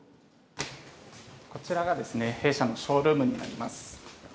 こちらが弊社のショールームになります。